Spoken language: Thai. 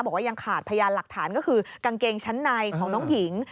บอกว่ายังขาดพยานหลักฐานก็คือกางเกงชั้นในของน้องหญิง